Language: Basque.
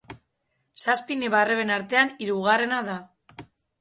Zazpi neba-arreben artean hirugarrena da.